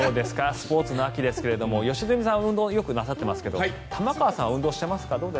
スポーツの秋ですが良純さんは運動をよくなさってますけど玉川さんは運動してますか？